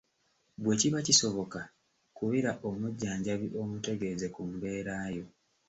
Bwe kiba kisoboka, kubira omujjanjabi omutegeeze ku mbeera yo.